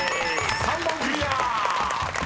３問クリア！］